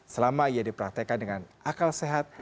selama ia dipraktekan dengan akal sehat